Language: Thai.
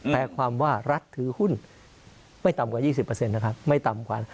แปลความว่ารัฐถือหุ้นไม่ต่ำกว่า๒๐นะครับ